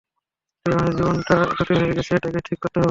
তবে আমার জীবনটা জটিল হয়ে গেছে, এটাকে ঠিক করতে হবে।